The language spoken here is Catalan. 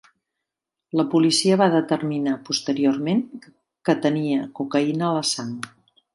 La policia va determinar, posteriorment, que tenia cocaïna a la sang.